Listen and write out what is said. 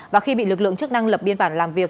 và khi bị lực lượng chức năng lập biên bản làm việc